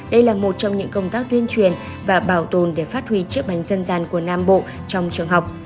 đây là một trong những công tác tuyên truyền và bảo tồn để phát huy chiếc bánh dân gian của nam bộ trong trường học